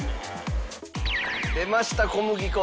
出ました小麦粉。